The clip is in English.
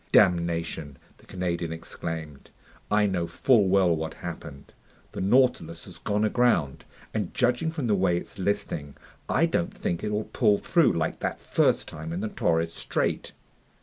"Damnation!" the Canadian exclaimed. "I know full well what happened! The Nautilus has gone aground, and judging from the way it's listing, I don't think it'll pull through like that first time in the Torres Strait."